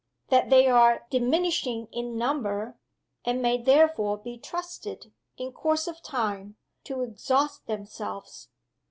That they are diminishing in number, and may therefore be trusted, in course of time, to exhaust themselves